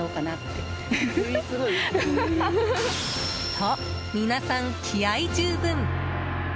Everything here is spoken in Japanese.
と、皆さん気合十分！